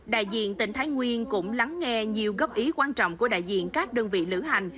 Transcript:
đại diện tỉnh thái nguyên cũng lắng nghe nhiều góp ý quan trọng của đại diện các đơn vị lữ hành